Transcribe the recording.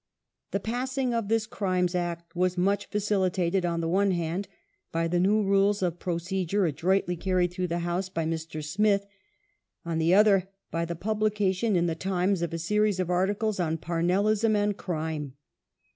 The passing of this Crimes Act was much facilitated, on the one hand by the new rules of procedure adroitly carried through the House by Mr. Smith, on the other by the publication in The Tvmes of a series of articles on Parnellism and Crime.